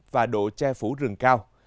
và độ tre phủ rừng cao